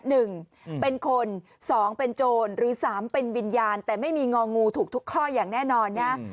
หนึ่งเป็นคนสองเป็นโจรหรือสามเป็นวิญญาณแต่ไม่มีงองูถูกทุกข้ออย่างแน่นอนนะ